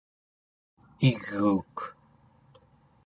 iguuk